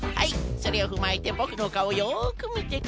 それをふまえてボクのかおよくみてください。